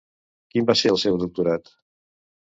Quin va ser el seu doctorat?